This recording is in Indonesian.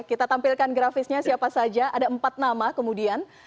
kita tampilkan grafisnya siapa saja ada empat nama kemudian